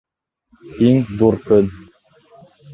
Иң ҙур көн!